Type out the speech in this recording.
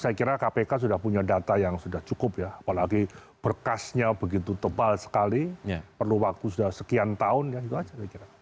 saya kira kpk sudah punya data yang sudah cukup ya apalagi berkasnya begitu tebal sekali perlu waktu sudah sekian tahun ya itu aja saya kira